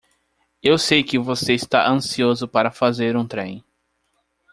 Eu sei que você está ansioso para fazer um trem.